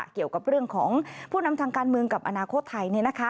เกี่ยวกับเรื่องของผู้นำทางการเมืองกับอนาคตไทย